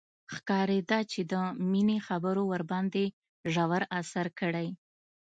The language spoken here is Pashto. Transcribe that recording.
ښکارېده چې د مينې خبرو ورباندې ژور اثر کړی.